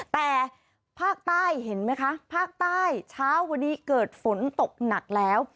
แต่ภาคใต้เห็นไหมคะภาคใต้เช้าวันนี้เกิดฝนตกหนักแล้ว